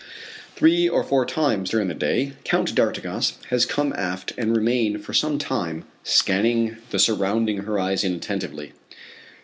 Three or four times during the day Count d'Artigas has come aft and remained for some time scanning the surrounding horizon attentively.